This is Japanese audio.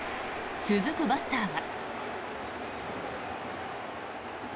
続くバッターは。